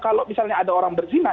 kalau misalnya ada orang berzina